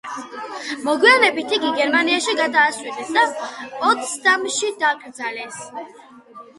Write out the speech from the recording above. მოგვიანებით იგი გერმანიაში გადაასვენეს და პოტსდამში დაკრძალეს.